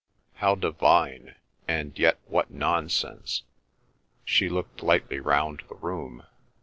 How divine!—and yet what nonsense!" She looked lightly round the room.